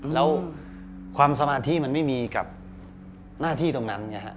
แล้วความสมาธิมันไม่มีกับหน้าที่ตรงนั้น